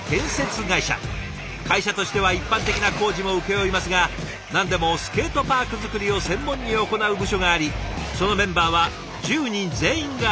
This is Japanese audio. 会社としては一般的な工事も請け負いますが何でもスケートパーク作りを専門に行う部署がありそのメンバーは１０人全員がスケーター。